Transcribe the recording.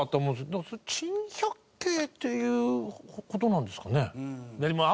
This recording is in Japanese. でもそれ珍百景っていう事なんですかね？